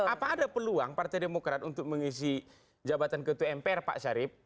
apa ada peluang partai demokrat untuk mengisi jabatan ketua mpr pak sarip